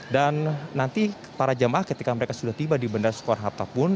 dan nanti para jemaah ketika mereka sudah tiba di bandar sukar hatta pun